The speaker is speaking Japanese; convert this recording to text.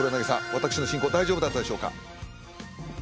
私の進行大丈夫だったでしょうか？